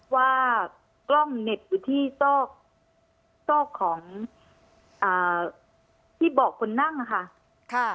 ว่ากล้องเหน็บอยู่ที่ซอกซอกของที่บอกคนนั่งค่ะ